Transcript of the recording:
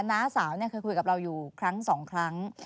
น้าสาวเคยคุยกับเราอยู่ครั้งสองครั้ง